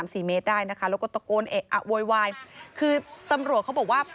สี่เมตรได้นะคะแล้วก็ตะโกนเอะอะโวยวายคือตำรวจเขาบอกว่า